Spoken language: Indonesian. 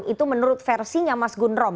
mas ibu ini menurut versinya mas gun rom